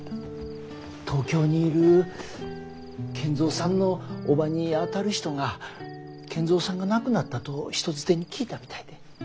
東京にいる賢三さんの叔母にあたる人が賢三さんが亡くなったと人づてに聞いたみたいで。